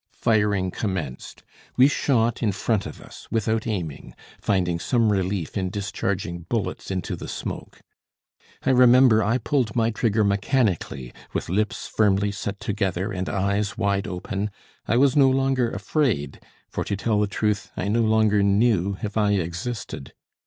Firing commenced. We shot in front of us, without aiming, finding some relief in discharging bullets into the smoke. I remember I pulled my trigger mechanically, with lips firmly set together and eyes wide open; I was no longer afraid, for, to tell the truth, I no longer knew if I existed.